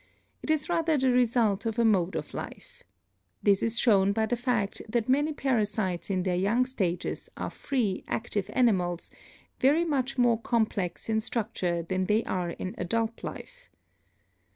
It is rather the result of a mode of life. This is shown by the fact that many parasites in their young stages are free, active animals, very much more complex in structure than they are in adult life.